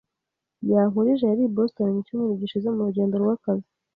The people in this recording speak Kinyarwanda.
Yankurije yari i Boston mu cyumweru gishize mu rugendo rwakazi.